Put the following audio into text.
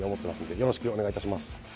よろしくお願いします。